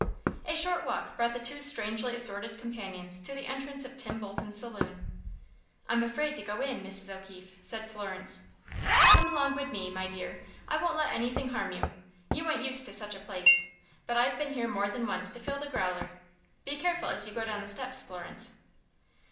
A short walk brought the two strangely assorted companions to the entrance of Tim Bolton's saloon. "I'm afraid to go in, Mrs. O'Keefe," said Florence. "Come along wid me, my dear, I won't let anything harm you. You ain't used to such a place, but I've been here more than once to fill the growler. Be careful as you go down the steps, Florence."